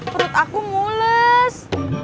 perut aku ngules